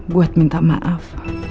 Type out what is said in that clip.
buat minta maaf